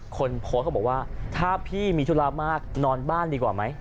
คนโพสต์เขาบอกว่าถ้าพี่มีธุระมากนอนบ้านดีกว่าไหม